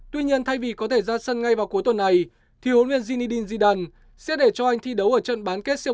tuy nhiên thay vì có thể ra sân ngay vào cuối tuần này thì huấn luyện zinedine zidane sẽ để cho anh thi đấu ở trận bán kết sau